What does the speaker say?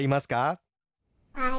はい。